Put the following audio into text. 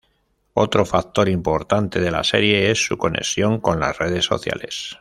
Otro factor importante de la serie es su conexión con las redes sociales.